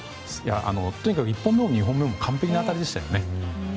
とにかく１本目も２本目も完ぺきな当たりでしたよね。